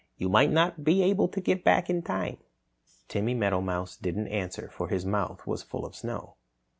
"You might not be able to get back in time." Timmy Meadowmouse didn't answer, for his mouth was full of snow.